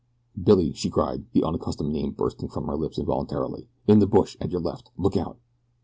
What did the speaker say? "Billy!" she cried, the unaccustomed name bursting from her lips involuntarily. "In the bush at your left look out!"